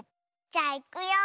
じゃあいくよ。